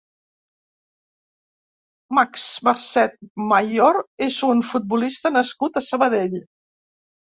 Max Marcet Mayor és un futbolista nascut a Sabadell.